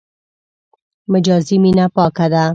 مجازي مینه پاکه ده.